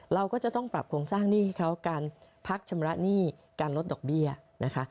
เราก็จะต้องปรับโครงสร้างหนี้ให้เขาการพักชำระหนี้การลดดอกเบี้ยนะคะ